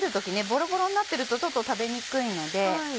ボロボロになってると食べにくいので。